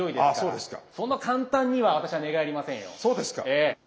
そうですか。